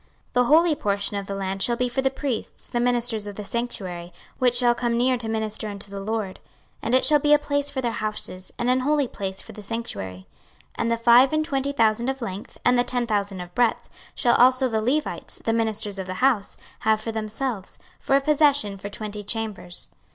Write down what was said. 26:045:004 The holy portion of the land shall be for the priests the ministers of the sanctuary, which shall come near to minister unto the LORD: and it shall be a place for their houses, and an holy place for the sanctuary. 26:045:005 And the five and twenty thousand of length, and the ten thousand of breadth shall also the Levites, the ministers of the house, have for themselves, for a possession for twenty chambers.